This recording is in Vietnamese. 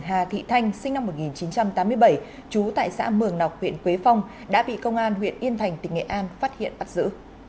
hà thị thanh sinh năm một nghìn chín trăm tám mươi bảy trú tại xã mường nọc huyện quế phong đã bị công an huyện yên thành tỉnh nghệ an phát hiện bắt giữ